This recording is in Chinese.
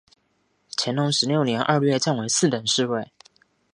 乾隆十六年二月降为四等侍卫。